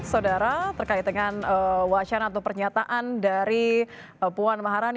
saudara terkait dengan wacana atau pernyataan dari puan maharani